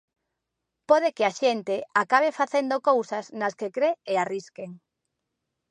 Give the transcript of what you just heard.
Pode que a xente acabe facendo cousas nas que cre e arrisquen.